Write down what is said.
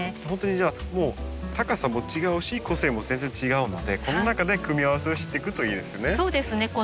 ほんとにじゃあもう高さも違うし個性も全然違うのでこの中で組み合わせをしていくといいですね。